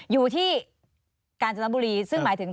อยู่ที่กาญจนบุรีซึ่งหมายถึง